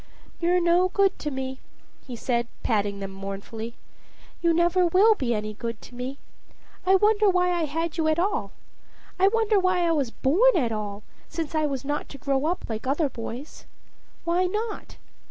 "You're no good to me," he said, patting them mournfully. "You never will be any good to me. I wonder why I had you at all. I wonder why I was born at all, since I was not to grow up like other boys. Why not?"